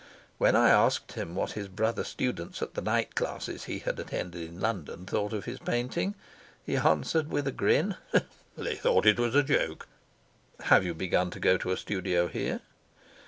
When I asked him what his brother students at the night classes he had attended in London thought of his painting, he answered with a grin: "They thought it a joke." "Have you begun to go to a studio here?"